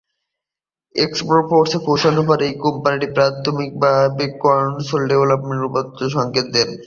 এক্সবক্সে পৌঁছানোর পর, এটি কোম্পানির প্রাথমিকভাবে কনসোল ডেভেলপমেন্টে রূপান্তরের সংকেত দেয়।